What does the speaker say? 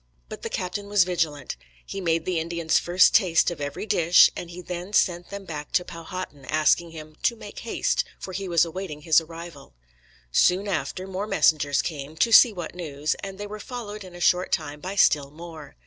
But the Captain was vigilant. He made the Indians first taste of every dish, and he then sent them back to Powhatan, asking him, "to make haste," for he was awaiting his arrival. Soon after more messengers came, "to see what news," and they were followed in a short time by still more.